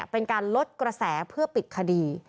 เป็นการลดกระแสเพื่อปิดคดี